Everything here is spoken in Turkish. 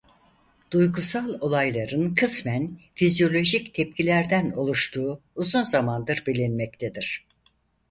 Duygusal olayların kısmen fizyolojik tepkilerden oluştuğu uzun zamandır bilinmektedir.